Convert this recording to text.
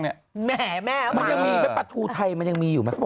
แหมมันยังมีไหมปลาทูไทยมันยังมีอยู่ไหม